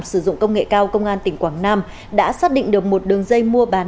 sử dụng công nghệ cao công an tỉnh quảng nam đã xác định được một đường dây mua bán